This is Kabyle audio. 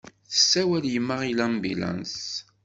Tessawel yemma i lambilanṣ.